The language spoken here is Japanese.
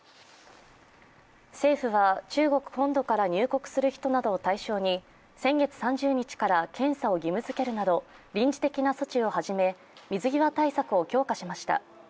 政府は中国本土から入国する人なとを対象に先月３０日から検査を義務づけるなど臨時的な措置をはじめ水際対策を強化しました。